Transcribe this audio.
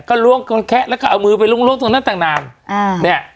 ก็ล้วงคนแคะแล้วก็เอามือไปล้วงล้วงตรงนั้นต่างนานอ่าเนี่ย